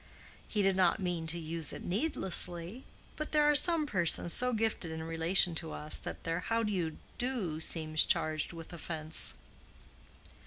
He did not mean to use it needlessly; but there are some persons so gifted in relation to us that their "How do you do?" seems charged with offense.